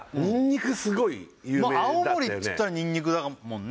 青森っていったらニンニクだもんね